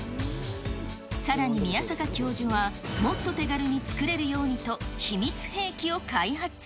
さらに宮坂教授は、もっと手軽に作れるようにと秘密兵器を開発。